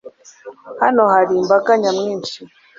Hano hari imbaga nyamwinshi.